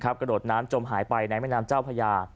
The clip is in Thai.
กระโดดน้ำจมหายไปในแม่น้ำเจ้าพญา